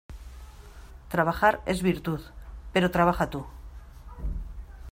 Trabajar es virtud; pero trabaja tú.